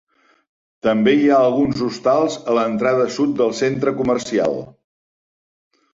També hi ha alguns hostals a l'entrada sud del centre comercial.